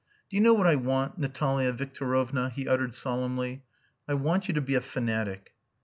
"Do you know what I want, Natalia Victorovna?" he uttered solemnly. "I want you to be a fanatic."